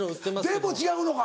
でも違うのか。